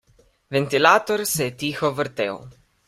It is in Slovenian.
Ventilator se je tiho vrtel.